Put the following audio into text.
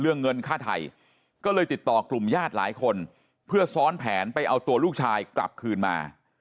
เงินค่าไทยก็เลยติดต่อกลุ่มญาติหลายคนเพื่อซ้อนแผนไปเอาตัวลูกชายกลับคืนมา